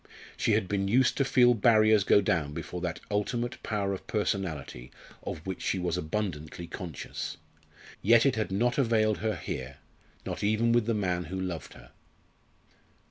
She had been used to feel barriers go down before that ultimate power of personality of which she was abundantly conscious. Yet it had not availed her here not even with the man who loved her.